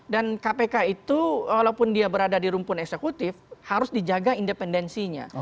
dan kpk itu walaupun dia berada di rumpun eksekutif harus dijaga independensinya